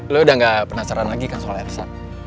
lo udah gak penasaran lagi kan soal ersa